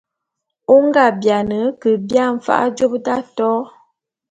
O nga biane ke bia mfa'a jôp d'atôô.